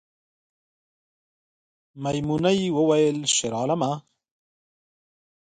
میمونۍ وویل شیرعالمه